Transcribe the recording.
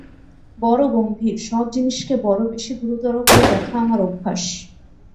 বড়ো গম্ভীর, সব জিনিসকে বড়ো বেশি গুরুতর করে দেখা আমার অভ্যাস।